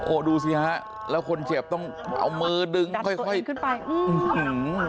โอ้ดูซิฮะแล้วคนเจ็บต้องเอามือดึงค่อยอือ